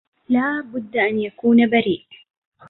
لا بد ان يكون بريء